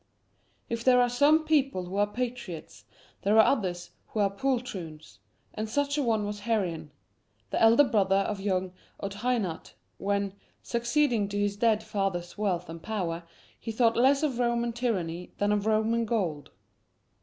If there are some people who are patriots, there are others who are poltroons, and such a one was Hairan, the elder brother of young Odhainat, when, succeeding to his dead father's wealth and power, he thought less of Roman tyranny than of Roman gold.